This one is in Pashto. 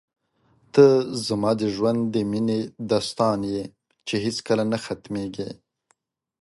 ته زما د ژوند د مینې داستان یې چې هېڅکله نه ختمېږي.